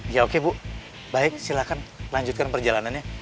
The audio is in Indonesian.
ya oke bu baik silahkan lanjutkan perjalanannya